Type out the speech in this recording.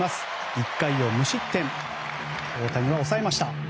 １回を無失点に大谷は抑えました。